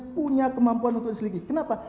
punya kemampuan untuk diselidiki kenapa